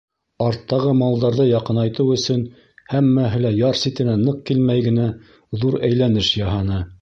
Арттағы малдарҙы яҡынайтыу өсөн. һәммәһе лә яр ситенә ныҡ килмәй генә ҙур әйләнеш яһаны.